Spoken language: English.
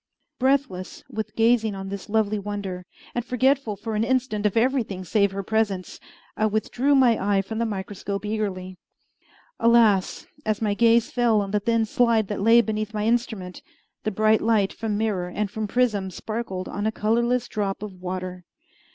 Breathless with gazing on this lovely wonder, and forgetful for an instant of everything save her presence, I withdrew my eye from the microscope eagerly. Alas! as my gaze fell on the thin slide that lay beneath my instrument, the bright light from mirror and from prism sparkled on a colorless drop of water!